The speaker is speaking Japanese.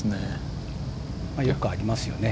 よくありますよね。